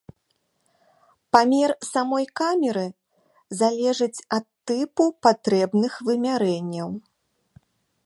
Памер самой камеры залежыць ад тыпу патрэбных вымярэнняў.